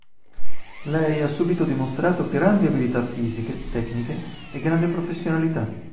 Lei ha subito dimostrato grandi abilità fisiche, tecniche e grande professionalità.